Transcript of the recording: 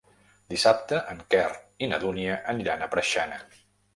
Dissabte en Quer i na Dúnia aniran a Preixana.